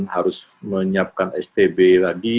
harus menyiapkan stb lagi